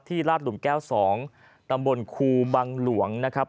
ที่ราชฤมูลแก้วสองนำบลครูบังหลวงนะครับ